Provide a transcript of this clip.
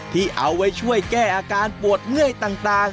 ที่เอาไว้ช่วยแก้อาการปวดเมื่อยต่าง